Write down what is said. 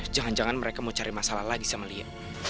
jangan jangan mereka mau cari masalah lagi sama dia